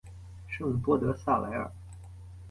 圣波德萨莱尔。